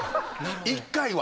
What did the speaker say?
１回は。